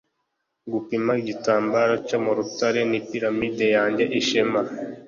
gupima igitambaro cyo mu rutare, ni piramide yanjye ishema